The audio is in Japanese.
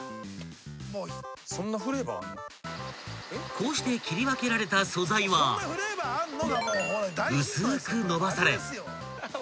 ［こうして切り分けられた素材は薄ーく延ばされ］